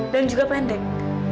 dan juga pendek